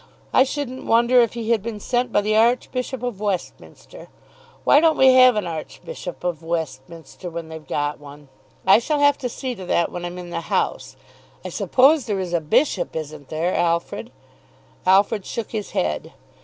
I shouldn't wonder if he had been sent by the Archbishop of Westminster. Why don't we have an Archbishop of Westminster when they've got one? I shall have to see to that when I'm in the House. I suppose there is a bishop, isn't there, Alfred?" Alfred shook his head.